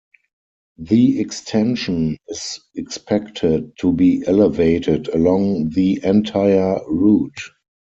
The extension is expected to be elevated along the entire route.